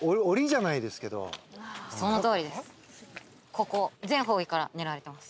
ここ全方位から狙われてます。